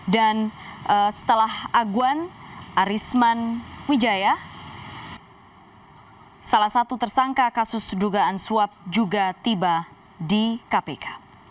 dan setelah aguan arisman wijaya salah satu tersangka kasus dugaan suap juga tiba di kpk